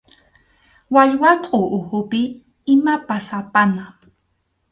Wallwakʼu ukhupi imapas apana.